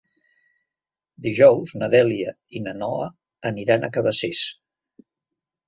Dijous na Dèlia i na Noa aniran a Cabacés.